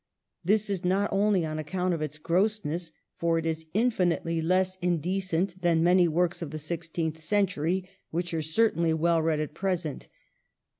This is not only on account of its grossness, for it is infinitely less indecent 'than many works of the Sixteenth Century which are certainly well read at present.